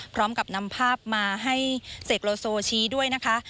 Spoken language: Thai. พร้อมกับนำภาพมาให้เสกโลโซชี้ด้วยนะคะ